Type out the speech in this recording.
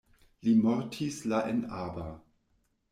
Li mortis la en Aba.